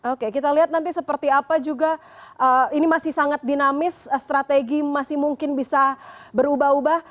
oke kita lihat nanti seperti apa juga ini masih sangat dinamis strategi masih mungkin bisa berubah ubah